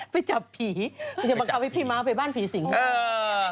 ไปจับผีเอาพี่ม้าไปบ้านผีสิงหัว